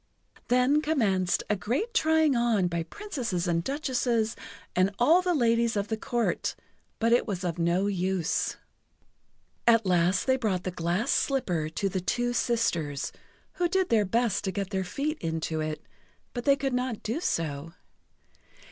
Then commenced a great trying on by Princesses and Duchesses and all the ladies of the Court but it was of no use. At last they brought the glass slipper to the two sisters, who did their best to get their feet into it, but they could not do so.